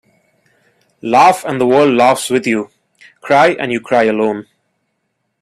Laugh and the world laughs with you. Cry and you cry alone.